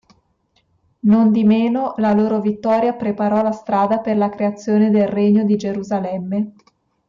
Nondimeno, la loro vittoria preparò la strada per la creazione del Regno di Gerusalemme.